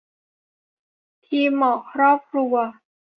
ทีมหมอครอบครัว